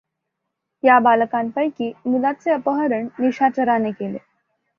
या बालकांपैकी मुलाचे अपहरण निशाचराने केले.